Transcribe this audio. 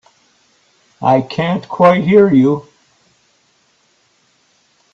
I can't quite hear you.